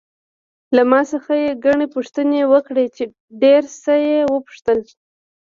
له ما څخه یې ګڼې پوښتنې وکړې، ډېر څه یې وپوښتل.